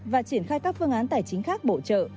và triển khai các phương án tài chính khác bổ trợ